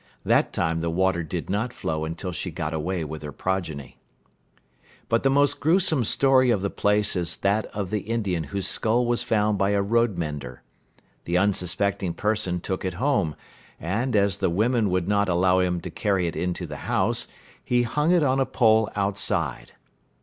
That time the water did not flow until she got away with her progeny. But the most grewsome story of the place is that of the Indian whose skull was found by a roadmender. This unsuspecting person took it home, and, as the women would not allow him to carry it into the house, he hung it on a pole outside.